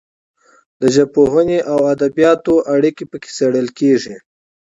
د ژبپوهنې او ادبیاتو اړیکې پکې څیړل کیږي.